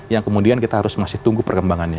yang kemudian kita harus masih tunggu perkembangannya